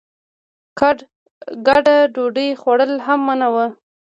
ګډ ډوډۍ خوړل هم منع وو.